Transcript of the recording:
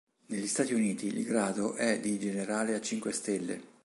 Negli Stati Uniti il grado è di generale a cinque stelle.